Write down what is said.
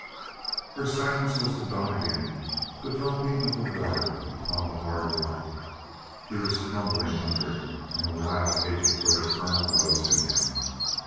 Her silence was to Donnegan the dropping of the water upon the hard rock. He was crumbling under it, and a wild hatred for the colonel rose in him.